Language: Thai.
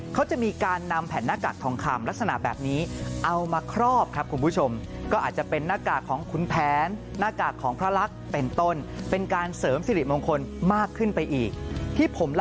เขาจะมีการนำแผ่นนากากทองคำลักษณะแบบนี้